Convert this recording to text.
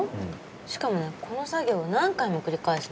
しかもねこの作業を何回も繰り返すのよ。